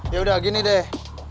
ya udah gini deh